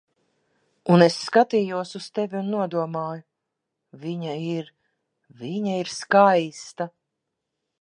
Un es skatījos uz tevi un nodomāju: "Viņa ir... Viņa ir skaista."